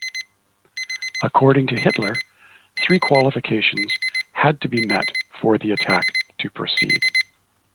According to Hitler, three qualifications had to be met for the attack to proceed.